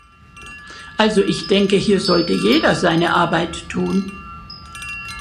Also, ich denke, hier sollte jeder seine Arbeit tun!